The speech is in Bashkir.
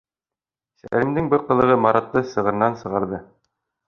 Сәлимдең был ҡылығы Маратты сығырынан сығарҙы.